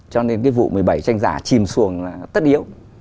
cho nên cái vụ một mươi bảy tranh giả chìm xuồng là tất yếu